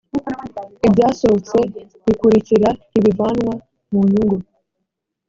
ibyasohotse bikurikira ntibivanwa mu nyungu